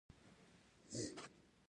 منډه د بریا لور ته تګ دی